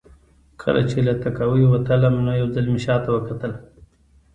کله چې له تهکوي وتلم نو یو ځل مې شا ته وکتل